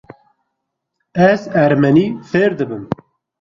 Ez ermenî fêr dibim.